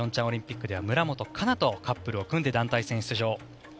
オリンピックでは村元哉中とカップルを組んで団体戦出場。